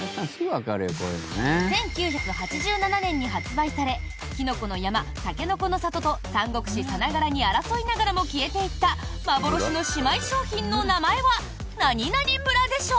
１９８７年に発売されきのこの山、たけのこの里と三国志さながらに争いながらも消えていった幻の姉妹商品の名前は○○村でしょう？